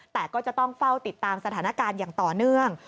แต่ก็จะต้องเฝ้าติดตามสถานการณ์อย่างต่อเนื่อง